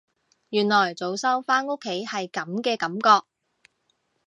原來早收返屋企係噉嘅感覺